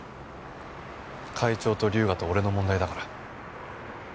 会長と龍河と俺の問題だから。